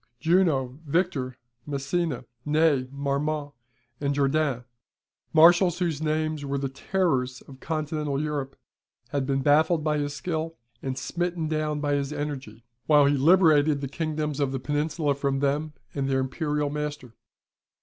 Junot, Victor, Massena, Ney, Marmont, and Jourdain, marshals whose names were the terrors of continental Europe had been baffled by his skill, and smitten down by his energy, while he liberated the kingdoms of the Peninsula from them and their Imperial master.